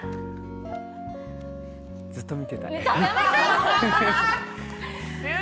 ずっと見てたい。